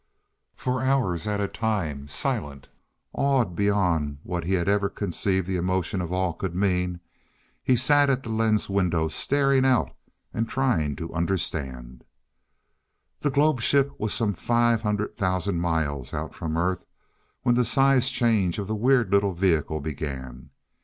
For hours at a time, silent, awed beyond what he had ever conceived the emotion of awe could mean, he sat at the lens window, staring out and trying to understand. The globe ship was some five hundred thousand miles out from Earth when the size change of the weird little vehicle began.